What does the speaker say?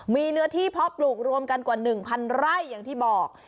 มีเนื้อที่เพาะปลูกรวมกันกว่า๑๐๐ไร่อย่างที่บอก